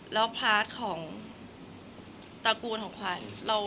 แล้วพาร์ทของตระกูลของขวัญ